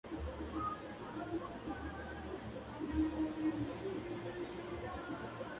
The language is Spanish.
En las milicias alcanzó el grado de Sargento Mayor.